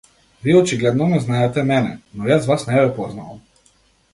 Вие очигледно ме знаете мене, но јас вас не ве познавам.